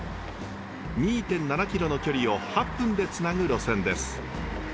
２．７キロの距離を８分でつなぐ路線です。